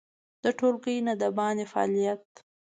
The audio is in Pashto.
د ټولګي نه د باندې فعالیت